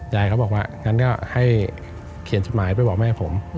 ยายเขาบอกว่างั้นก็ให้เขียนจดหมายไปบอกแม่ผม